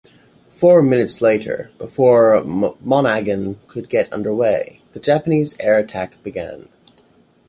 Four minutes later, before "Monaghan" could get underway, the Japanese air attack began.